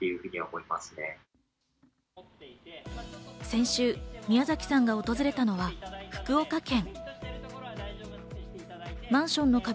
先週、ミヤザキさんが訪れたのは福岡県。